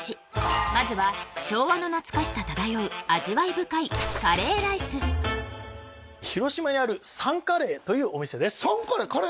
まずは昭和の懐かしさ漂う味わい深い広島にあるサン・カレーというお店ですサン・カレー？